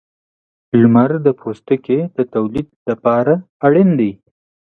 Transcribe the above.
• لمر د پوستکي د تولید لپاره اړین دی.